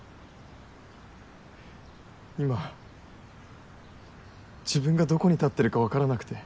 今自分がどこに立ってるか分からなくて。